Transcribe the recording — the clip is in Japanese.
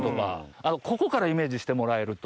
ここからイメージしてもらえると。